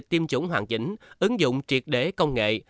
tiêm chủng hoàn chỉnh ứng dụng triệt đế công nghệ